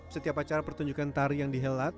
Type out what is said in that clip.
setiap acara pertunjukan tari yang dihelat